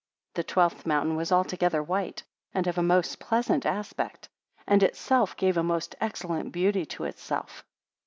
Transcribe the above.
12 The twelfth mountain was altogether white, and of a most pleasant aspect, and itself gave a most excellent beauty to itself.